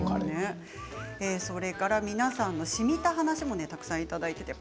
それから皆さんのしみた話もたくさんいただいています。